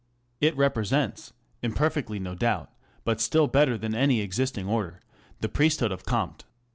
It represents ŌĆö imperfectly no doubt, but still better than any existing order ŌĆö the priesthood of Comte.